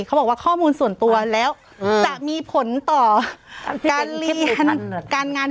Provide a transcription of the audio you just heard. เขาบอกว่าข้อมูลส่วนตัวแล้วจะมีผลต่อการเรียนการงาน